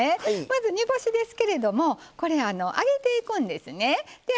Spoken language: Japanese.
まず煮干しですけれどもこれ揚げていくんですね。